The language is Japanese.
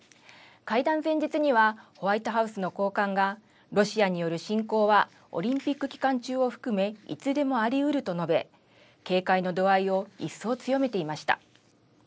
会談前日にはホワイトハウスの高官が、ロシアによる侵攻はオリンピック期間中を含めいつでもありうると述べ、警戒の度合いを一層強めていました。